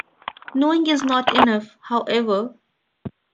Knowing is not enough, however.